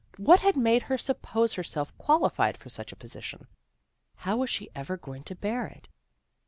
What had made her suppose herself quali fied for such a position? How was she ever going to bear it?